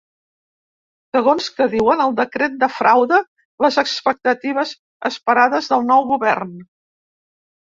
Segons que diuen, el decret defrauda les expectatives esperades del nou govern.